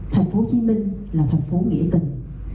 tp hcm là thành phố nghĩa tình